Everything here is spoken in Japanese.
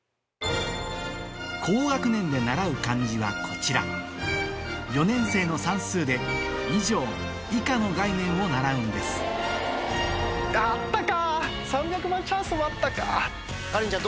高学年で習う漢字はこちら４年生の算数で以上・以下の概念を習うんですあったか！